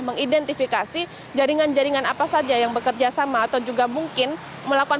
mengidentifikasi jaringan jaringan apa saja yang bekerja sama atau juga mungkin melakukan